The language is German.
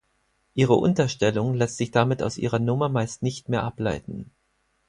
Ihre Unterstellung lässt sich damit aus ihrer Nummer meist nicht mehr ableiten.